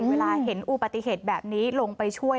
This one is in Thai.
เวลาเห็นอุบัติเหตุแบบนี้ลงไปช่วย